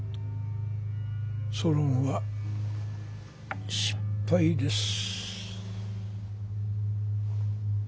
ソロンは失敗です。